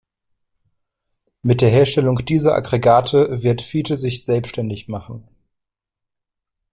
Mit der Herstellung dieser Aggregate wird Fiete sich selbstständig machen.